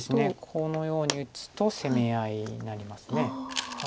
このように打つと攻め合いになります。